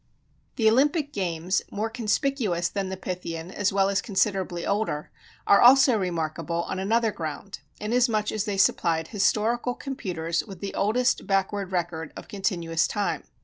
The Olympic games, more conspicuous than the Pythian as well as considerably older, are also remarkable on another ground, inasmuch as they supplied historical computers with the oldest backward record of continuous time.